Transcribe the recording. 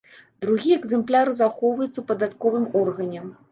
Другі экземпляр захоўваецца ў падатковым органе.